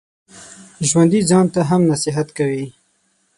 ژوندي ځان ته هم نصیحت کوي